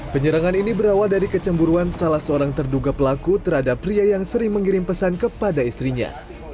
penyerangan ini berawal dari kecemburuan salah seorang terduga pelaku terhadap pria yang sering mengirim pesan kepada istrinya